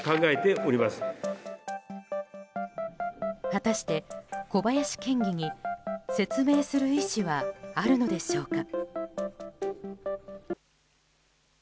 果たして小林県議に説明する意思はあるのでしょうか。